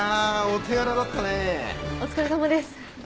お疲れさまです。